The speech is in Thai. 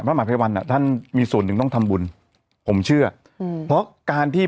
มหาภัยวันอ่ะท่านมีส่วนหนึ่งต้องทำบุญผมเชื่ออืมเพราะการที่